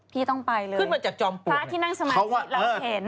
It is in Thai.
พี่ต้องไปเลยพระที่นั่งสมาธิเราเห็นเพราะว่า